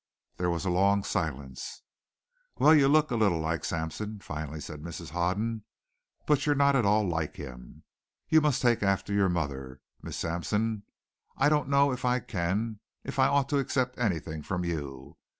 There was a long silence. "Well, you look a little like Sampson," finally said Mrs. Hoden, "but you're not at all like him. You must take after your mother. Miss Sampson, I don't know if I can if I ought to accept anything from you.